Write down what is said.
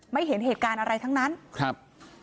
เห็นเหตุการณ์อะไรทั้งนั้นครับ